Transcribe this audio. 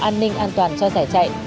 an ninh an toàn cho giải chạy